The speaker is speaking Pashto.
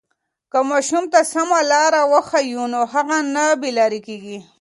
که ماشوم ته سمه لاره وښیو نو هغه نه بې لارې کېږي.